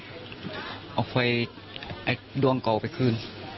เขาเนี่ยเอาไฟดวงเกาไปคืน